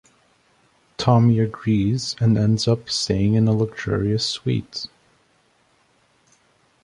Tommy agrees and ends up staying in a luxurious suite.